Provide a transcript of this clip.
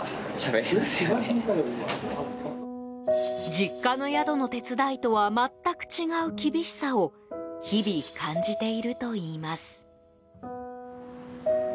実家の宿の手伝いとは全く違う厳しさを日々感じているといいます。